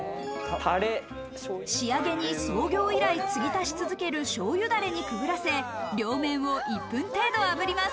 仕上げに創業以来、継ぎ足し続ける醤油ダレにくぐらせ、両面を１分程度あぶります。